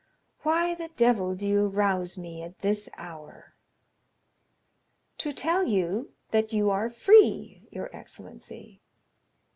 "Why the devil do you rouse me at this hour?" "To tell you that you are free, your excellency."